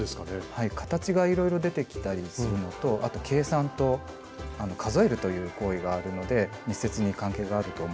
はい形がいろいろ出てきたりするのとあと計算と数えるという行為があるので密接に関係があると思ってます。